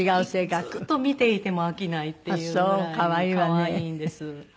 ずっと見ていても飽きないっていうぐらい可愛いんです。